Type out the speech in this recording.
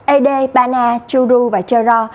ede bana churu và chero